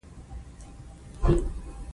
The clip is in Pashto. موږ شل کاله ژوند سره کوو.